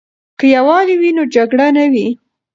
که یووالی وي نو جګړه نه وي.